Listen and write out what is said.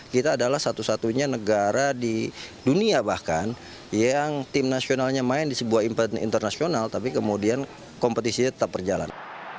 kita adalah satu satunya negara di dunia bahkan yang tim nasionalnya main di sebuah impeten internasional tapi kemudian kompetisinya tetap berjalan